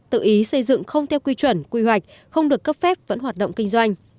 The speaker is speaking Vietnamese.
tự ý xây dựng không theo quy chuẩn quy hoạch không được cấp phép vẫn hoạt động kinh doanh